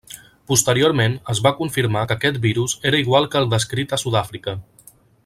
Posteriorment, es va confirmar que aquest virus era igual que el descrit a Sud Àfrica.